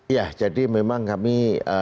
iya jadi memang kami konsisten